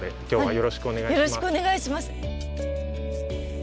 よろしくお願いします。